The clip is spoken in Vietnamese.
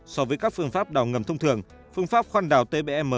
so với các phương pháp đào ngầm thông thường phương pháp khoan đào tbm